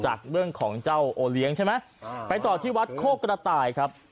จากเรื่องของเจ้าโอเลี้ยงใช่ไหมไปต่อที่วัดโคกระต่ายครับ